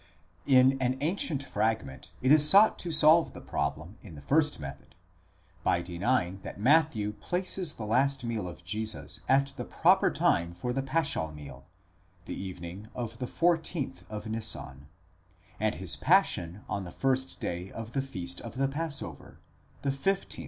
In an ancient Fragment® it is sought to solve the problem in the first method, by denying that Matthew places the last meal of Jesus at the proper time for the paschal meal, the evening of the 14th of Nisan, and his passion on the first day of the feast of the passover, the 15th of Nisan ; but one does 1 Thus Lightfoot, horz, p.